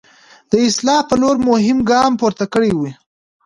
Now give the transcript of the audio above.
د اصلاح په لوري مو مهم ګام پورته کړی وي.